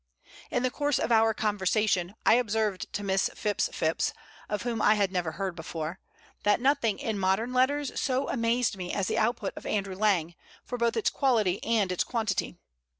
In the course of our conversation I observed to Miss Phipps Phipps, of whom I had never heard before, that nothing in modern letters so amazed me as the output of Andrew Lang, for both its quality and its quantity.